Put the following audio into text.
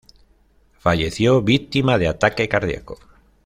Falleció víctima de ataque cardíaco.